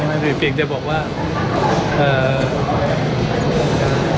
หรือเปลี่ยนจะบอกว่าเอ่อ